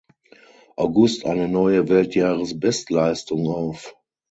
August eine neue Weltjahresbestleistung auf.